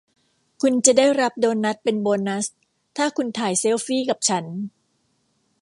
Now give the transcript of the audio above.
คุณจะได้รับโดนัทเป็นโบนัสถ้าคุณถ่ายเซลฟี่กับฉัน